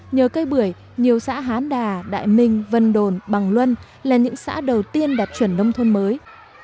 nhờ cây bưởi nhiều xã hán đà đại minh vân đồn bằng luân là những xã đầu tiên đạt chuẩn nông thôn mới